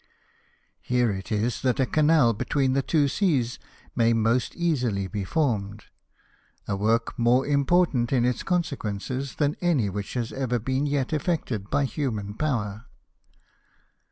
Here it is that a canal between the two seas may most easily be formed — a work more im portant in its consequences than any which has ever yet been effected by human power.